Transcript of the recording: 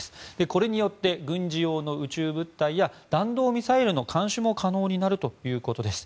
これによって軍事用の宇宙物体や弾道ミサイルの監視も可能になるということです。